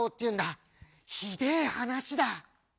ひでえはなしだ」。